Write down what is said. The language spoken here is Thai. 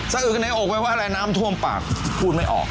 อึกกันในอกไว้ว่าอะไรน้ำท่วมปากพูดไม่ออก